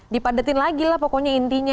dipadetin lagi lah pokoknya intinya